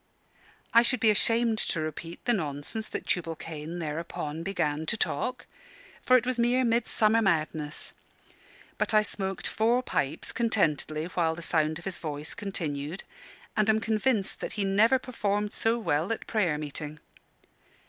I should be ashamed to repeat the nonsense that Tubal Cain thereupon began to talk; for it was mere midsummer madness. But I smoked four pipes contentedly while the sound of his voice continued, and am convinced that he never performed so well at prayer meeting.